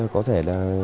có thể là